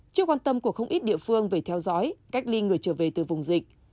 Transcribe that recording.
trước quan tâm của không ít địa phương về theo dõi cách ly người trở về từ vùng dịch